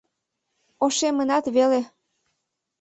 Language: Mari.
— Ошемынат веле.